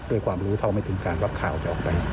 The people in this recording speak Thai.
ด้วยความรู้เท่าไม่ถึงการว่าข่าวจะออกไป